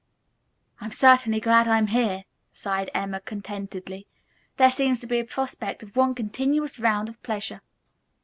"I'm certainly glad I'm here," sighed Emma, contentedly. "There seems to be a prospect of one continuous round of pleasure."